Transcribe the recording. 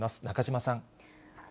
中島さん。